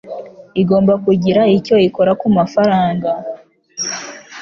Igomba kugira icyo ikora kumafaranga.